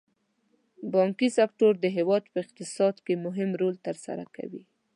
بانکي سکتور د هېواد په اقتصاد کې مهم رول تر سره کوي.